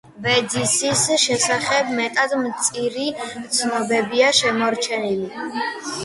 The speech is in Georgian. ვეძისის შესახებ მეტად მწირი ცნობებია შემორჩენილი.